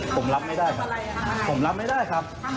พี่รับไม่ได้ครับ